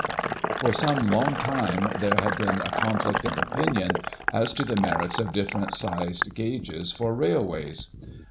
For some long time there had been a conflict of opinion as to the merits of different sized gauges for railways.